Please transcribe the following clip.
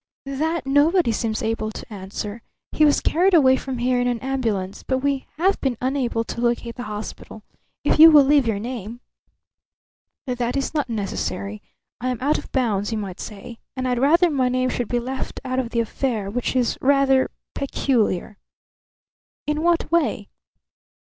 "That nobody seems able to answer. He was carried away from here in an ambulance; but we have been unable to locate the hospital. If you will leave your name " "That is not necessary. I am out of bounds, you might say, and I'd rather my name should be left out of the affair, which is rather peculiar." "In what way?"